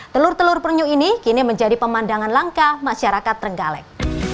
telur telur penyu ini kini menjadi pemandangan langka masyarakat trenggalek